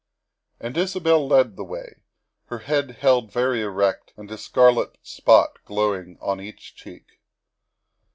And Isabel led the way, her head held very erect and a scarlet spot glowing on each cheek.